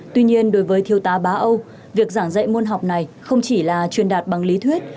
tuy nhiên đối với thiếu tá bá âu việc giảng dạy môn học này không chỉ là truyền đạt bằng lý thuyết